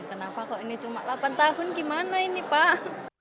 kenapa kok ini cuma delapan tahun gimana ini pak